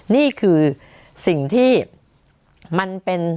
นี่คือสิ่งที่มันเป็น